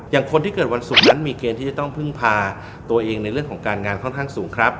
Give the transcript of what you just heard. คนที่เกิดวันศุกร์นั้นมีเกณฑ์ที่จะต้องพึ่งพาตัวเองในเรื่องของการงานค่อนข้างสูงครับ